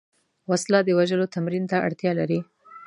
وسله د وژلو تمرین ته اړتیا لري